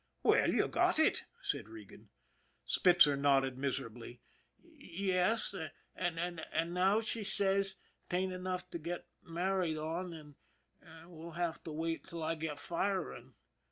" Well, you got it," said Regan. Spitzer nodded miserably. ;< Yes, an' now she says 'tain't enough to get married on, an' an' we'll have to wait till I get firing."